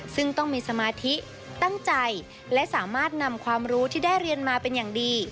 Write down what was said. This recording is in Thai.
ซึ่งต้องมีสมาธิตั้งใจและสามารถนำความรู้ที่ได้เรียนมาเป็นอย่างดี